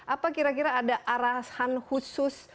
apa kira kira ada arahan khusus